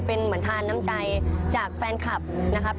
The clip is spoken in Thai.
เป็นเหมือนทานน้ำใจจากแฟนคลับนะครับ